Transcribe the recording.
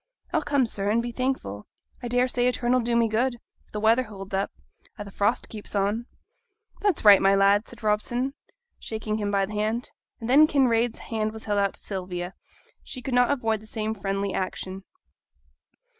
'I'll come, sir, and be thankful. I daresay a turn'll do me good, if the weather holds up, an' th' frost keeps on.' 'That's right, my lad,' said Robson, shaking him by the hand, and then Kinraid's hand was held out to Sylvia, and she could not avoid the same friendly action.